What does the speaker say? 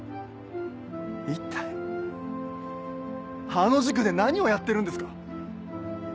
一体あの塾で何をやってるんですか。